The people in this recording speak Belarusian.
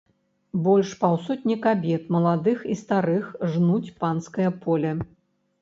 Больш паўсотні кабет, маладых і старых, жнуць панскае поле.